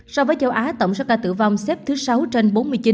so với châu á tổng số ca tử vong xếp thứ sáu trên bốn mươi chín